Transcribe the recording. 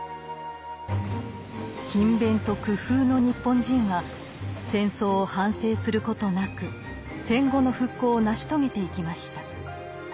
「勤勉」と「工夫」の日本人は戦争を反省することなく戦後の復興を成し遂げていきました。